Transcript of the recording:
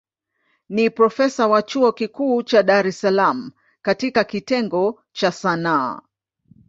Ni profesa wa chuo kikuu cha Dar es Salaam katika kitengo cha Sanaa.